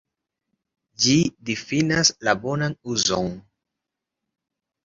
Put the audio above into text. Ĝi difinas la "bonan uzon".